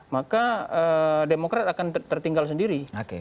maka demokrat akan tertinggal sendiri